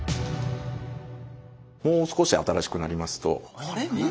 もう少し新しくなりますと。